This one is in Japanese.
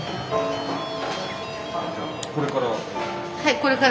これから？